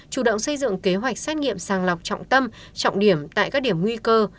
chủ động xây dựng kế hoạch xét nghiệm sàng lọc trọng tâm trọng điểm tại các điểm nguy cơ